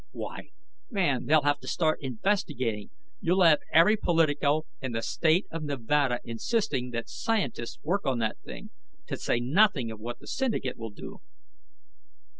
"Why, man, they'll have to start investigating! You'll have every politico in the State of Nevada insisting that scientists work on that thing. To say nothing of what the syndicate will do."